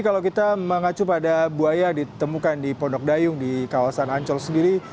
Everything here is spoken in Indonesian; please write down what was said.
kalau kita mengacu pada buaya yang ditemukan di pondok dayung di kawasan ancol sendiri